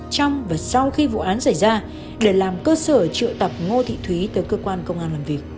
trong và sau khi vụ án xảy ra để làm cơ sở trự tập ngô thị thúy tới cơ quan công an